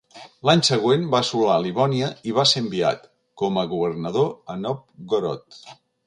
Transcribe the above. L'any següent, va assolar Livònia i va ser enviat com a governador a Novgorod.